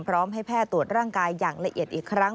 พร้อมให้แพทย์ตรวจร่างกายอย่างละเอียดอีกครั้ง